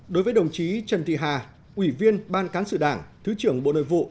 đối với đồng chí trần thị hà ủy viên ban cán sự đảng thứ trưởng bộ nội vụ